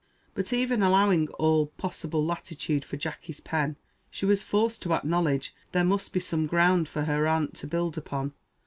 But even allowing all possible latitude for Jacky's pen, she was forced to acknowledge there must be some ground for her aunt to build upon.